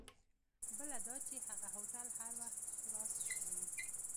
بله دا چې هغه هوټل هر وخت خلاص وي.